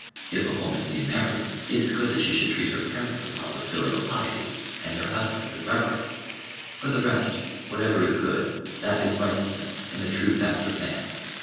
If a woman be married, it is good that she should treat her parents in law with filial piety, and her husband with reverence. For the rest, whatever is good, that is righteousness and the true path of man.